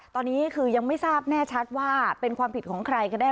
ตอนนี้คือยังไม่ทราบแน่ชัดว่าเป็นความผิดของใครกันแน่